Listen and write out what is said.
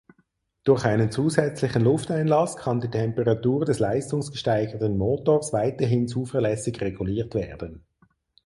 Durch einen zusätzlichen Lufteinlass kann die Temperatur des leistungsgesteigerten Motors weiterhin zuverlässig reguliert werden.